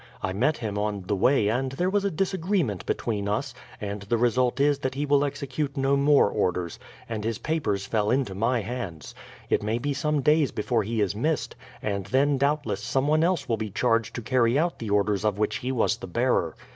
I met him on the way and there was a disagreement between us, and the result is that he will execute no more orders, and his papers fell into my hands. It may be some days before he is missed, and then doubtless someone else will be charged to carry out the orders of which he was the bearer.